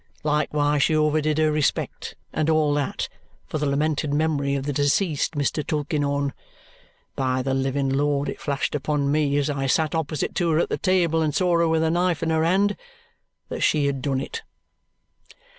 Likewise she overdid her respect, and all that, for the lamented memory of the deceased Mr. Tulkinghorn. By the living Lord it flashed upon me, as I sat opposite to her at the table and saw her with a knife in her hand, that she had done it!"